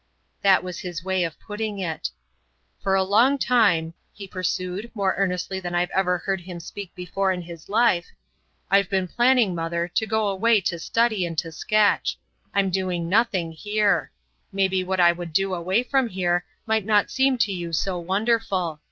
That was his way of putting it. "For a long time," he pursued, more earnestly than I've ever heard him speak before in his life, "I've been planning, mother, to go away to study and to sketch. I'm doing nothing here. Maybe what I would do away from here might not seem to you so wonderful.